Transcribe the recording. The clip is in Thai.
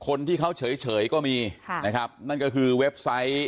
คนที่เขาเฉยก็มีค่ะนะครับนั่นก็คือเว็บไซต์